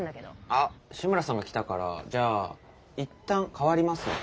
あっ志村さんが来たからじゃあいったん代わりますね。